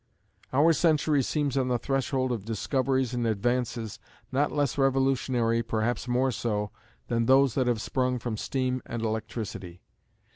Our century seems on the threshold of discoveries and advances, not less revolutionary, perhaps more so, than those that have sprung from steam and electricity.